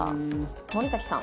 森咲さん。